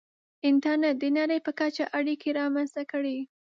• انټرنېټ د نړۍ په کچه اړیکې رامنځته کړې.